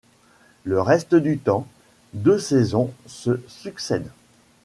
Le reste du temps, deux saisons se succèdent.